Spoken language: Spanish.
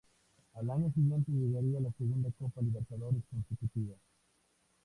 Al año siguiente llegaría la segunda Copa Libertadores consecutiva.